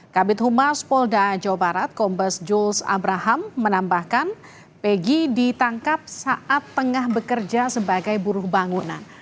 kabit humas polda jawa barat kombes jules abraham menambahkan pegi ditangkap saat tengah bekerja sebagai buruh bangunan